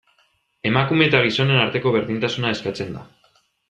Emakume eta gizonen arteko berdintasuna eskatzen da.